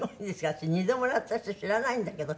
私２度もらった人知らないんだけど。